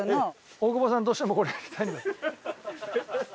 大久保さんどうしてもこれやりたいんだ。